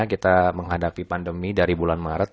kita menghadapi pandemi dari bulan maret